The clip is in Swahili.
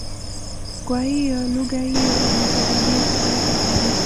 Kwa hiyo, lugha hiyo imekaribia kutoweka kabisa.